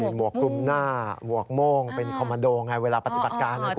หมวกคลุมหน้าหมวกโม่งเป็นคอมมันโดไงเวลาปฏิบัติการนะคุณ